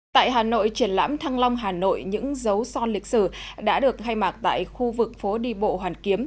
tại hà nội triển lãm thăng long hà nội những dấu son lịch sử đã được khai mạc tại khu vực phố đi bộ hoàn kiếm